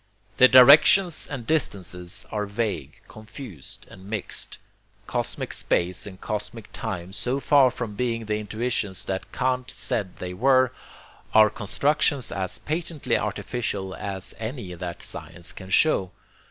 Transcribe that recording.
The directions and distances are vague, confused and mixed. Cosmic space and cosmic time, so far from being the intuitions that Kant said they were, are constructions as patently artificial as any that science can show.